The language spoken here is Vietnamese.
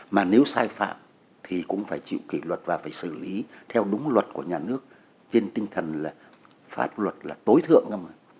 mà nếu sai phạm thì cũng phải chịu kỷ luật và phải xử lý theo đúng luật của nhà nước trên tinh thần là pháp luật là tối thượng ngâm mà